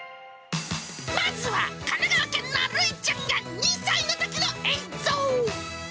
まずは神奈川県のるいちゃんが２歳のときの映像。